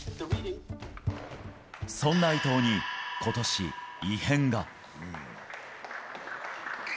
そんな伊藤にことし、異変が。